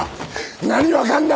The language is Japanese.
何が分かんだ！？